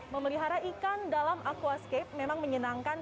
memelihara ikan dalam aquascape memang menyenangkan